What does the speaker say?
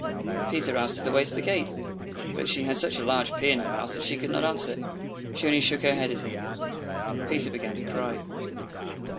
Peter asked her the way to the gate, but she had such a large pea in her mouth that she could not answer. She only shook her head at him. Peter began to cry.